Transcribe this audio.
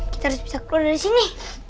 kita harus bisa keluar dari sini